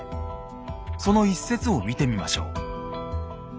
その一節を見てみましょう。